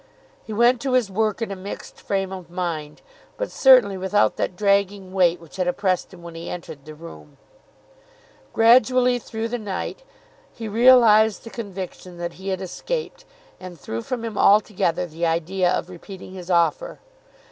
He went to his work in a mixed frame of mind, but certainly without that dragging weight which had oppressed him when he entered the room. Gradually, through the night, he realised the conviction that he had escaped, and threw from him altogether the idea of repeating his offer.